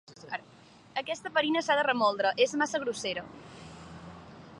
Aquesta farina s'ha de remoldre: és massa grossera.